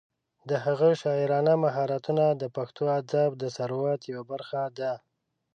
د هغه شاعرانه مهارتونه د پښتو ادب د ثروت یوه برخه ده.